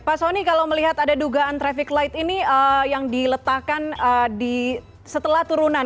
pak soni kalau melihat ada dugaan traffic light ini yang diletakkan setelah turunan